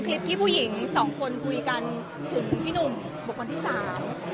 คลิปที่ผู้หญิงสองคนคุยกันถึงพี่หนุ่มบุคคลที่สาม